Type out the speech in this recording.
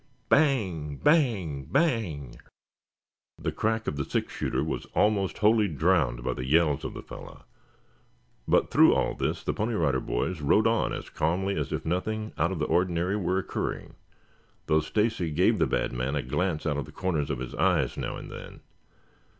"Bang, bang, bang!" The crack of the six shooter was almost wholly drowned by the yells of the fellow, but through all this the Pony Rider Boys wrote on as calmly as if nothing out of the ordinary were occurring, though Stacy gave the bad man a glance out of the corners of his eyes now and then.